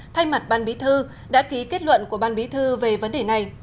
thay mặt ban bí thư đã ký kết luận của ban bí thư về vấn đề này